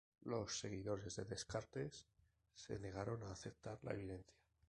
Los seguidores de Descartes se negaron a aceptar la evidencia.